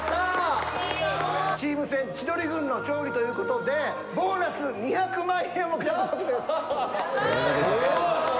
チーム戦千鳥軍の勝利ということでボーナス２００万円を獲得です。